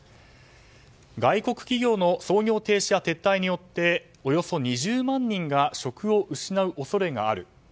外国企業の操業停止や撤退によっておよそ２０万人が職を失う恐れがある。